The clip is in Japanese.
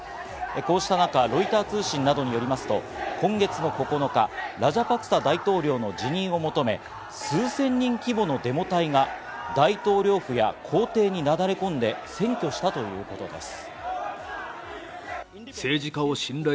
こうした中、ロイター通信などによりますと今月９日、ラジャパクサ大統領の辞任を求め数千人規模のデモ隊が大統領府や公邸になだれ込んで占拠したということです。